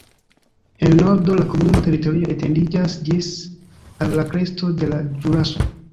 En nordo la komunuma teritorio etendiĝas ĝis al la kresto de la Ĵuraso.